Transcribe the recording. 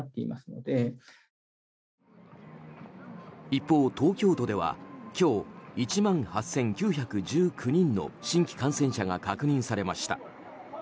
一方、東京都では今日１万８９１９人の新規感染者が確認されました。